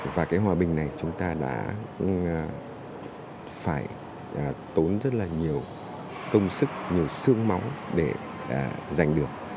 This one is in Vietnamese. và cái hòa bình này chúng ta đã phải tốn rất là nhiều công sức nhiều sương máu để giành được